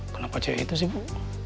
kenapa cewek itu sih bu